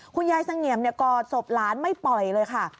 คุณยายเสงี่ยมกอดศพหลานไม่ปล่อยเลยค่ะ